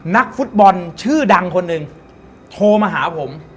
นักฟุตบอลชื่อดังคนหนึ่งโทรมาหาผม